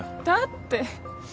だって。